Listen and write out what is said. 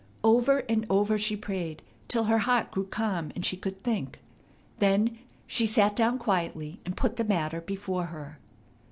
Over and over she prayed till her heart grew calm and she could think. Then she sat down quietly, and put the matter before her.